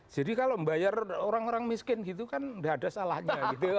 kalau membayar orang orang miskin gitu kan nggak ada salahnya